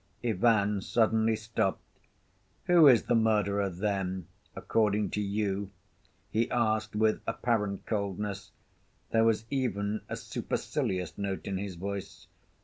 Ivan suddenly stopped. "Who is the murderer then, according to you?" he asked, with apparent coldness. There was even a supercilious note in his voice.